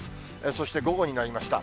そして午後になりました。